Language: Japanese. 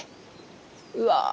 うわ。